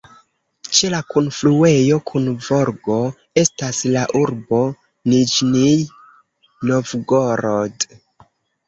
Ĉe la kunfluejo kun Volgo, estas la urbo Niĵnij Novgorod.